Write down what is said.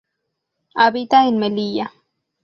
Habita en Melilla.